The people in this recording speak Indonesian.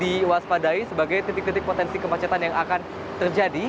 diwaspadai sebagai titik titik potensi kemacetan yang akan terjadi